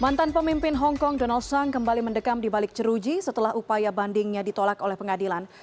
mantan pemimpin hongkong donald thang kembali mendekam di balik jeruji setelah upaya bandingnya ditolak oleh pengadilan